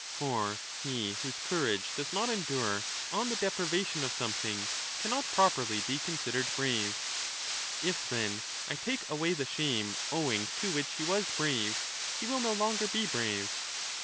For he whose courage does not endure on the deprivation of something cannot properly be considered brave ; if, then, I take away the shame owing to which he was brave, he will no longer be brave.